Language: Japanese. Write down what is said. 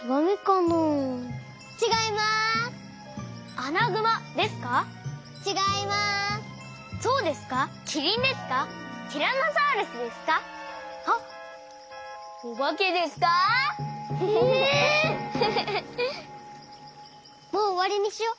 もうおわりにしよう。